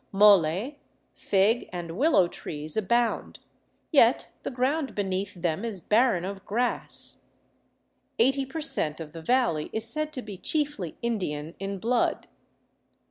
Molle, fig, and willow trees abound, yet the ground beneath them is barren of grass. Eighty percent, of the valley is said to be chiefly Indian in blood.